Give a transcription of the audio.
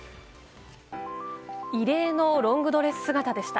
異例のロングドレス姿でした。